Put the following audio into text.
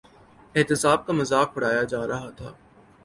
احتساب کا مذاق اڑایا جا رہا تھا۔